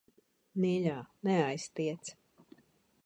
Mīļā, neaiztiec.